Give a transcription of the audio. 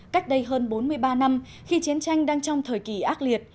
cách đây hơn bốn mươi ba năm khi chiến tranh đang trong thời kỳ ác liệt